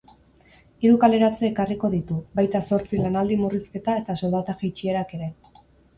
Hiru kaleratze ekarriko ditu, baita zortzi lanaldi murrizketa eta soldata jeitsierak ere.